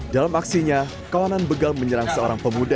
dalam aksinya kawanan begal menyerang seorang pemuda